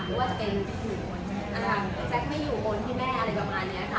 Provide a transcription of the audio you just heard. ว่าจะเป็นแจ๊คไม่อยู่บนที่แม่อะไรประมาณนี้ค่ะ